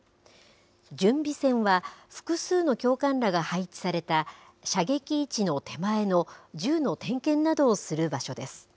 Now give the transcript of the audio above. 準備線は、複数の教官らが配置された射撃位置の手前の銃の点検などをする場所です。